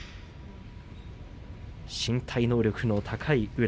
身体能力の高い宇良